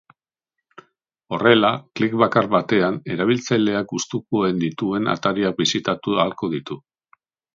Horrela, klik bakar batean erabiltzaileak gustukoen dituen atariak bisitatu ahalko ditu.